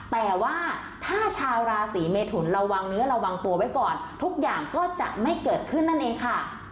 แต่ว่าถ้าชาวราศีเมทุนระวังเนื้อระวังตัวไว้ก่อนทุกอย่างก็จะไม่เกิดขึ้นนั่นเองค่ะ